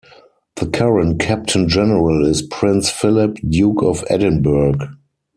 The current Captain-General is Prince Philip, Duke of Edinburgh.